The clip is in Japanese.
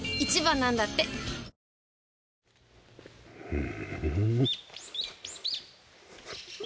ふん。